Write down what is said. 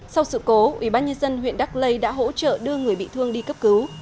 sau sự cố ubnd huyện đắc lây đã hỗ trợ đưa người bị thương đi cấp cứu